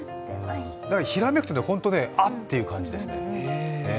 ひらめくと、本当に、あっという感じです。